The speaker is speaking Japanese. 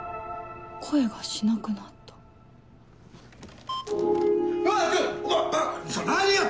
声がしなくなった。あっ！